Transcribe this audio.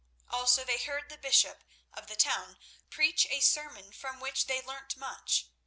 Also they heard the bishop of the town preach a sermon from which they learnt much.